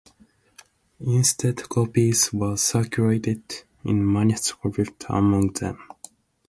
Instead, copies were circulated in manuscript among them.